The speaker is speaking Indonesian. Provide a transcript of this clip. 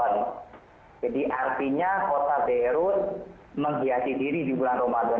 jadi artinya kota beirut menghiasi diri di bulan ramadan